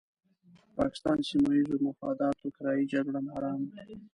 د پاکستان سیمه ییزو مفاداتو کرایي جګړه ماران وو.